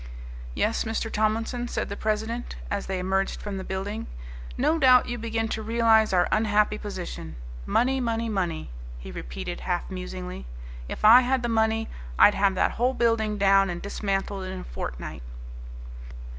"Yes, Mr. Tomlinson," said the president, as they emerged from the building, "no doubt you begin to realize our unhappy position. Money, money, money," he repeated half musingly. "If I had the money I'd have that whole building down and dismantled in a fortnight."